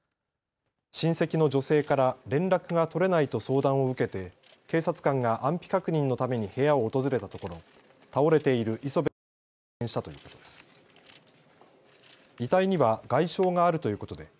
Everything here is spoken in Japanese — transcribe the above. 親戚の女性から連絡が取れないと相談を受けて警察官が安否確認のために部屋を訪れたところ倒れている礒邊さんを発見したということです。